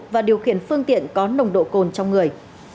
và điều khiển phương tiện có nồng độ cồn trong người